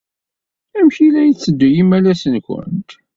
Amek ay la yetteddu yimalas-nwent?